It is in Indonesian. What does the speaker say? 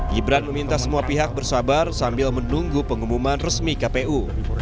gibran meminta semua pihak bersabar sambil menunggu pengumuman resmi kpu